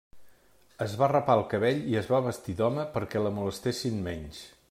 Es va rapar el cabell i es va vestir d'home perquè la molestessin menys.